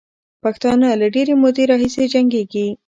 پښتانه له ډېرې مودې راهیسې جنګېږي.